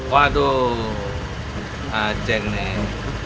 waduh ceng nih